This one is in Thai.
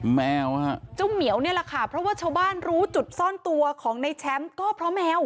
แมวฮะเจ้าเหมียวนี่แหละค่ะเพราะว่าชาวบ้านรู้จุดซ่อนตัวของในแชมป์ก็เพราะแมว